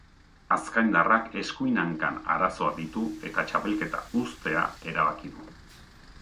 Azkaindarrak eskuin hankan arazoak ditu eta txapelketa uztea erabaki du.